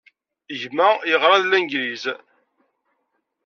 Gma yeɣra deg Langliz.